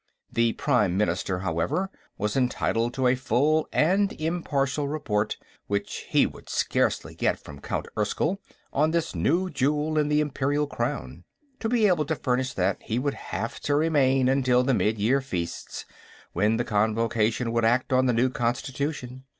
The Prime Minister, however, was entitled to a full and impartial report, which he would scarcely get from Count Erskyll, on this new jewel in the Imperial Crown. To be able to furnish that, he would have to remain until the Midyear Feasts, when the Convocation would act on the new constitution.